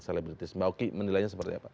selebritis mbak oki menilainya seperti apa